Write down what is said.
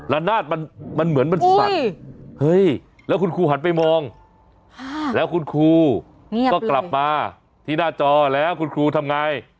นาดมันเหมือนมันสัตว์เฮ้ยแล้วคุณครูหันไปมองแล้วคุณครูก็กลับมาที่หน้าจอแล้วคุณครูทำไง